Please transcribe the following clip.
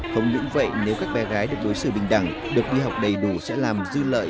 không những vậy nếu các bé gái được đối xử bình đẳng được đi học đầy đủ sẽ làm dư lợi